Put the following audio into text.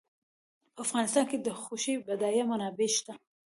په افغانستان کې د غوښې بډایه منابع شته.